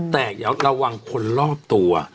แต่อยากลัววางคนรอบตัว